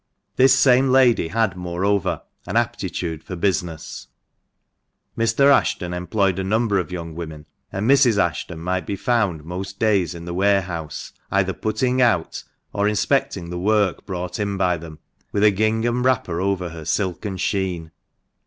This same lady had, moreover, an aptitude for business. Mr. Ashton employed a number of young women, and Mrs. Ashton might be found most days in the warehouse, either " putting out " or inspecting the work brought in by them, with a gingham wrapper over her "silken sheen."